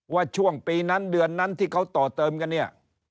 ว่าช่วงปีนั้นเดือนนั้นที่เขาต่อเติมกันเนี่ย